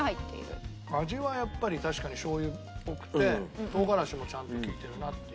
味はやっぱり確かにしょう油っぽくて唐辛子もちゃんと利いてるなっていう。